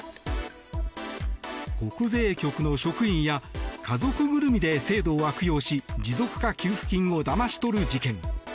国税局の職員や家族ぐるみで制度を悪用し持続化給付金をだまし取る事件。